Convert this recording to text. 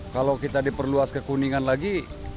kalau kita diperluas ke kuningan lagi